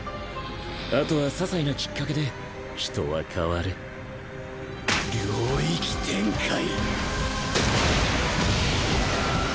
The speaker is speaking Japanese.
あとは些細なきっかけで人は変わる領域展開。